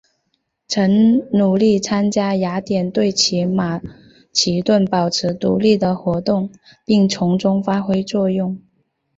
曾努力参加雅典对马其顿保持独立的活动并从中发挥作用。